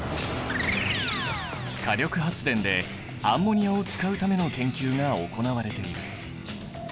火力発電でアンモニアを使うための研究が行われている。